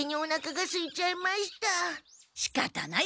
しかたない。